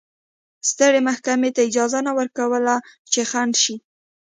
سترې محکمې ته اجازه نه ورکوله چې خنډ شي.